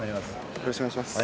よろしくお願いします